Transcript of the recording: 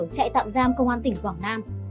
chạy tạm giam công an tỉnh quảng nam